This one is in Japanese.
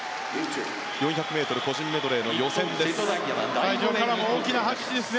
４００ｍ個人メドレーの予選です。